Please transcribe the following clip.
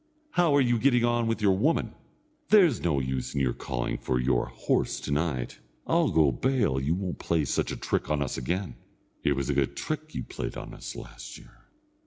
How are you getting on with your woman? There's no use in your calling for your horse to night. I'll go bail you won't play such a trick on us again. It was a good trick you played on us last year."